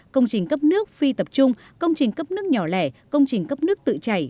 công trình cấp nước phi tập trung công trình cấp nước nhỏ lẻ công trình cấp nước tự chảy